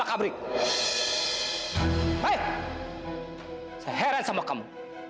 aku mau mencari kamu